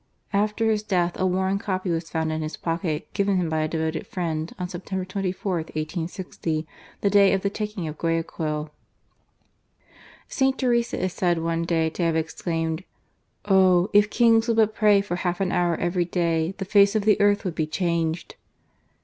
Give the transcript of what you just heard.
After his death a worn copy was found in his pocket, given him by a devoted friend on Septem ber 24, i860, the day of the taking of Guayaquil. THE TRUE CHRISTIAN. 269 St. Teresa is said one day to have exclaimed :" O ! if kings would but pray for half an hour every day, the face of the earth would be changed